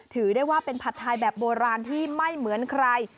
ถือได้ว่าเป็นผัดไทยแบบโบราณที่ไม่เหมือนใคร